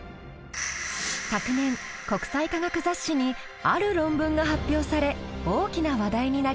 昨年国際科学雑誌にある論文が発表され大きな話題になりました。